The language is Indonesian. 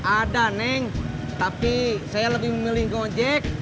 ada neng tapi saya lebih memilih gojek